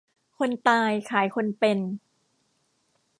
คนตายขายคนเป็น